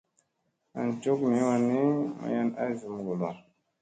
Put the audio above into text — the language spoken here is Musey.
An cukni wanni mayan a zum ŋgollo.